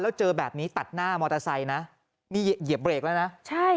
แล้วเจอแบบนี้ตัดหน้ามอเตอร์ไซค์นะนี่เหยียบเบรกแล้วนะใช่